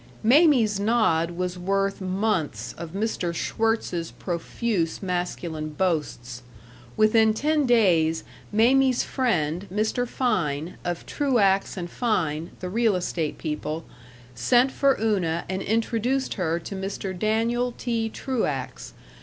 Mamie's nod was worth months of Mr. Schwirtz's profuse masculine boasts. Within ten days, Mamie's friend, Mr. Fein, of Truax & Fein, the real estate people, sent for Una and introduced her to Mr. Daniel T. Truax.